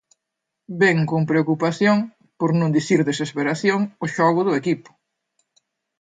Ven con preocupación, por non dicir desesperación, o xogo do equipo.